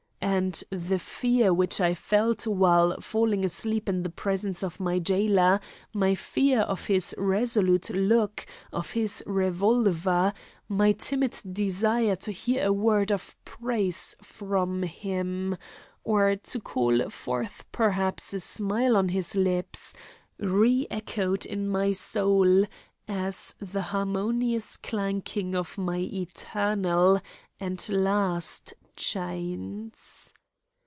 And the fear which I felt while falling asleep in the presence of my jailer, my fear of his resolute look, of his revolver; my timid desire to hear a word of praise from him, or to call forth perhaps a smile on his lips, re echoed in my soul as the harmonious clanking of my eternal and last chains.